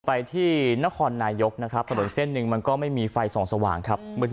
ไปที่หน้าคอนนายกนะครับสะดดลเส้นนึงมันก็ไม่มีไฟ๒สว่างครับมืด